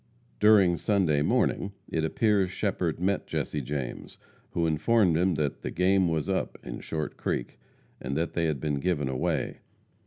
During Sunday morning, it appears Shepherd met Jesse James, who informed him that "the game was up" in Short Creek, and that they had been given away.